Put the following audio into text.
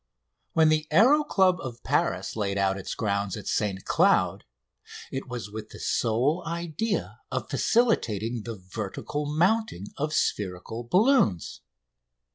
When the Aéro Club of Paris laid out its grounds at St Cloud it was with the sole idea of facilitating the vertical mounting of spherical balloons.